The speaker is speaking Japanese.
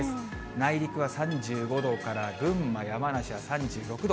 内陸は３５度から群馬、山梨は３６度。